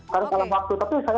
karena kalah waktu tapi saya